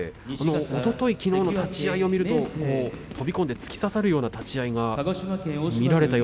おととい、きのうの立ち合いを見ますと取組で突き刺さるような立ち合いが見られました